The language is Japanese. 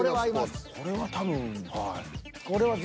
これは多分はい。